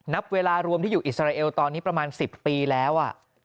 นับเวลารวมที่อยู่อิสราเอลตอนนี้ประมาณ๑๐ปีแล้ว